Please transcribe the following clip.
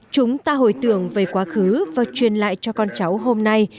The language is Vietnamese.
chúng ta hồi tưởng về quá khứ và truyền lại cho con cháu hôm nay